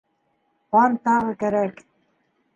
Ҡан тағы кәрәк.